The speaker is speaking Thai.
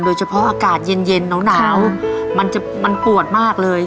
โดยเฉพาะอากาศเย็นหนาวมันจะมันปวดมากเลย